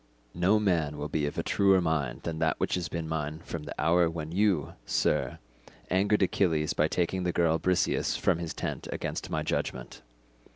No man will be of a truer mind than that which has been mine from the hour when you, sir, angered Achilles by taking the girl Briseis from his tent against my judgment.